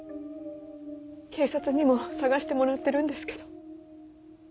警察にも捜してもらってるんですけど。